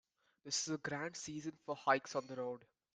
This is a grand season for hikes on the road.